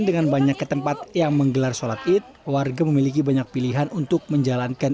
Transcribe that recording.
dengan banyak ketempat yang menggelar sholat id warga memiliki banyak pilihan untuk menjalankan